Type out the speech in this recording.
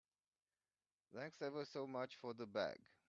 Thanks ever so much for the bag.